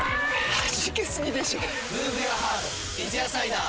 はじけすぎでしょ『三ツ矢サイダー』